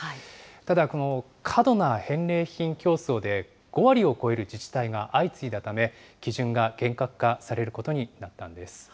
ただ、この過度な返礼品競争で、５割を超える自治体が相次いだため、基準が厳格化されることになったんです。